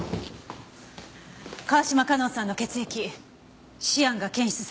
川島香音さんの血液シアンが検出された。